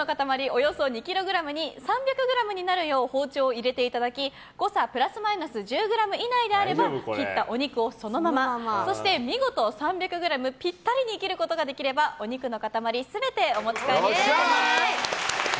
およそ２ｋｇに３００ｇになるよう包丁を入れていただき誤差プラスマイナス１０ｇ以内であれば切ったお肉をそのままそして、見事３００ｇピッタリに切ることができればお肉の塊全てお持ち帰りいただけます。